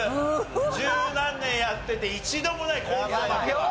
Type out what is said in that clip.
十何年やってて一度もないコールド負けは。